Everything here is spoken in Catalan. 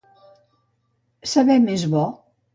Saber més bo.